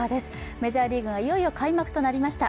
メジャーリーグがいよいよ開幕となりました。